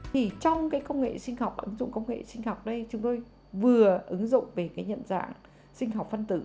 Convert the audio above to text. trong công nghệ sinh học chúng tôi vừa ứng dụng về nhận dạng sinh học phân tử